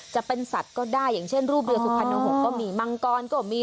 จะเป็นสัตว์ก็ได้อย่างเช่นรูปเรือสุพรรณหกก็มีมังกรก็มี